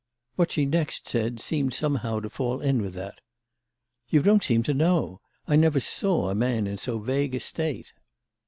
What she next said seemed somehow to fall in with that. "You don't seem to know. I never saw a man in so vague a state."